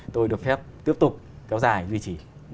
tôi được phép tiếp tục kéo dài vị trí